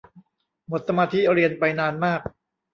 หมดสมาธิเรียนไปนานมาก